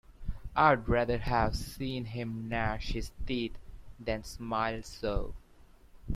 I’d rather have seen him gnash his teeth than smile so.